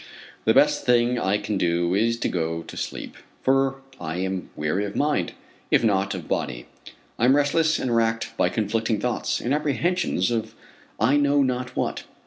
The best thing I can do, is to go to sleep, for I am weary of mind, if not of body. I am restless and racked by conflicting thoughts, and apprehensions of I know not what.